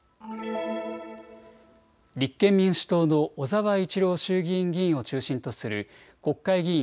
立憲民主党の小沢一郎衆議院議員を中心とする国会議員